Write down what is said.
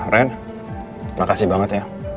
ren makasih banget ya